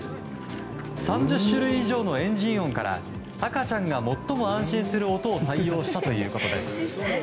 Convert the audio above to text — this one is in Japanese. ３０種類以上のエンジン音から赤ちゃんが最も安心する音を採用したということです。